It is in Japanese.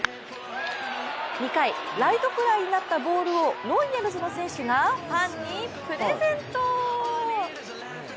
２回ライトフライになったボールをロイヤルズの選手がファンにプレゼント。